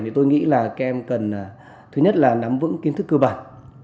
thì tôi nghĩ là các em cần thứ nhất là nắm vững kiến thức cơ bản